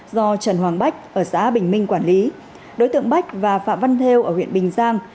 do trần hoàng bách ở xã bình minh quản lý đối tượng bách và phạm văn theo ở huyện bình giang